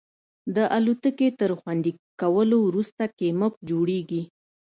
د الوتکې تر خوندي کولو وروسته کیمپ جوړیږي